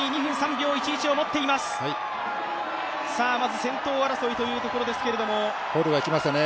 まず先頭争いというところですが。